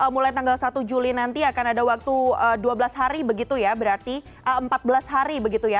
mulai tanggal satu juli nanti akan ada waktu dua belas hari begitu ya berarti empat belas hari begitu ya